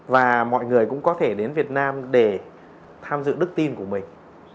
và mọi người cũng có thể đến việt nam để tham dự đức tin của mình